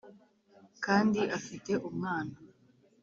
kandi afite umwana